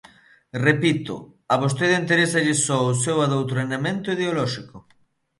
Repito, a vostede interésalle só o seu adoutrinamento ideolóxico.